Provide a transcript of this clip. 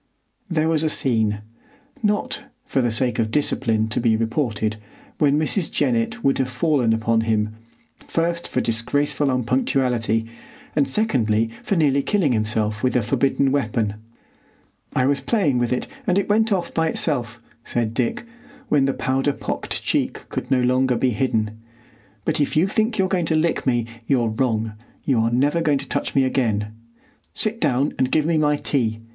There was a scene, not, for the sake of discipline, to be reported, when Mrs. Jennett would have fallen upon him, first for disgraceful unpunctuality, and secondly for nearly killing himself with a forbidden weapon. "I was playing with it, and it went off by itself," said Dick, when the powder pocked cheek could no longer be hidden, "but if you think you're going to lick me you're wrong. You are never going to touch me again. Sit down and give me my tea.